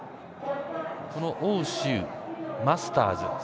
この王詩う、マスターズ